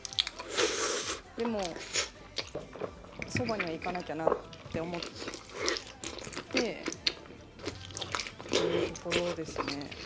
でも、そばには行かなきゃなって思ってというところですね。